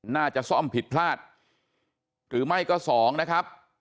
น่าจะซ่อมผิดพลาดหรือไม่ก็สองนะครับ